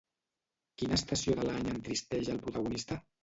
Quina estació de l'any entristeix al protagonista?